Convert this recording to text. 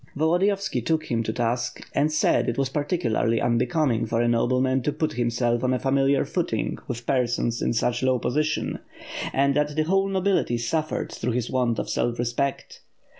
Volodiyovski took him to task and did it was particularly unbecoming for a nobleman to put himself on a familiar foot ing with persons in such low position, and that the whole nobility suffered through his want of self respect.